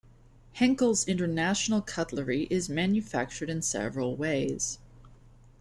Henckels International cutlery is manufactured in several ways.